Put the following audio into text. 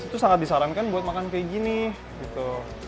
itu sangat disarankan buat makan kayak gini gitu